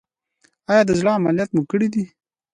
ایا د زړه عملیات مو کړی دی؟